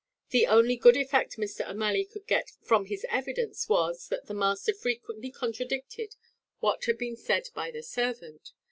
The only good effect Mr. O'Malley could get from his evidence was, that the master frequently contradicted what had been said by the servant.